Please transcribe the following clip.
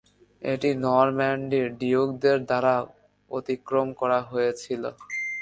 এটি নরম্যানডির ডিউকদের দ্বারাও অতিক্রম করা হয়েছিল।